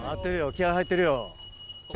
気合入ってるよ。